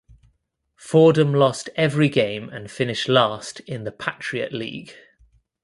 Fordham lost every game and finished last in the Patriot League.